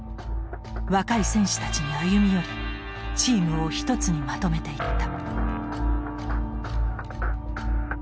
若い選手たちに歩み寄りチームを一つにまとめていった。